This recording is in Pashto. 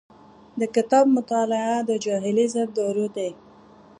د کتاب مطالعه د جاهلۍ ضد دارو دی.